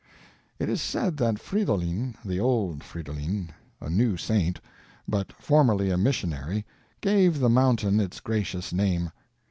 It is said the Fridolin (the old Fridolin), a new saint, but formerly a missionary, gave the mountain its gracious name.